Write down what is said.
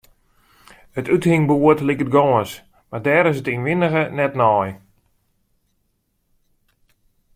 It úthingboerd liket gâns, mar dêr is 't ynwindige net nei.